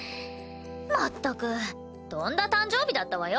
まったくとんだ誕生日だったわよ。